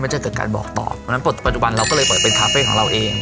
จะเกิดการบอกต่อเพราะฉะนั้นปัจจุบันเราก็เลยเปิดเป็นคาเฟ่ของเราเอง